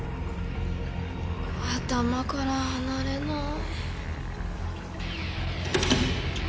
頭から離れない。